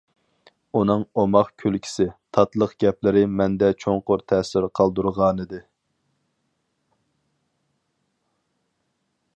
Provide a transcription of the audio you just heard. ئۇنىڭ ئوماق كۈلكىسى، تاتلىق گەپلىرى مەندە چوڭقۇر تەسىر قالدۇرغانىدى.